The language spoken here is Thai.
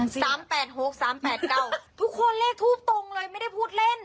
สามแปดหกสามแปดเก้าทุกคนเลขทูปตรงเลยไม่ได้พูดเล่น